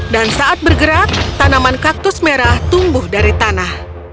dan saat bergerak tanaman kaktus merah tumbuh dari tanah